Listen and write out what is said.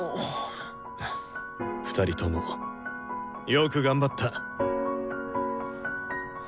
２人ともよく頑張った！